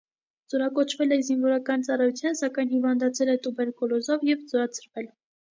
Զորակոչվել է զինվորական ծառայության, սակայն հիվանդացել է տուբերկուլյոզով և զորացրվել։